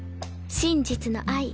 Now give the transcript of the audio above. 真実の愛。